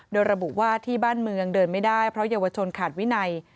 โดยระบุว่าที่บ้านเมืองเดินไม่ได้เพราะเยาวชนขาดวินัย